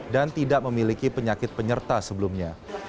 dan tidak memiliki penyakit penyerta sebelumnya